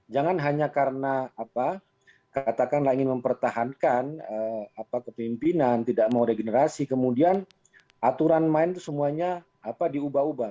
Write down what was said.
jangan hanya karena katakanlah ingin mempertahankan kepimpinan tidak mau regenerasi kemudian aturan main itu semuanya diubah ubah